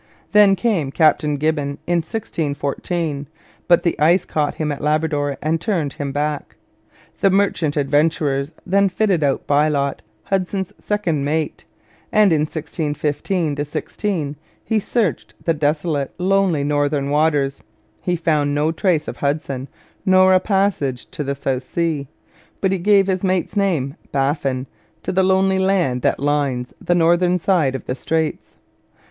Then came Captain Gibbon in 1614; but the ice caught him at Labrador and turned him back. The merchant adventurers then fitted out Bylot, Hudson's second mate, and in 1615 16 he searched the desolate, lonely northern waters. He found no trace of Hudson, nor a passage to the South Sea; but he gave his mate's name Baffin to the lonely land that lines the northern side of the straits.